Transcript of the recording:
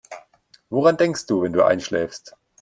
Woran denkst du, wenn du einschläfst?